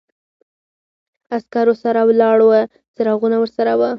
عسکرو سره ولاړ و، څراغونه ورسره و.